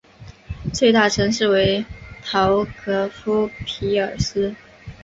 最大城市为陶格夫匹尔斯。